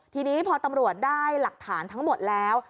ทีนี้พอตำรวจได้หลักฐานทั้งหมดแล้ว